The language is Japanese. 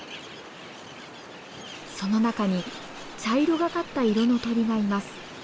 その中に茶色がかった色の鳥がいます。